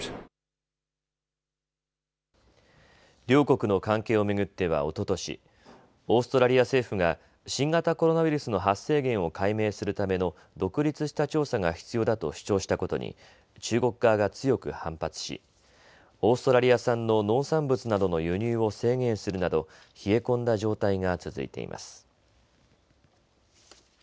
両国の関係を巡ってはおととしオーストラリア政府が新型コロナウイルスの発生源を解明するための独立した調査が必要だと主張したことに中国側が強く反発しオーストラリア産の農産物などの輸入を制限するなど冷え込んだ状態が続いています。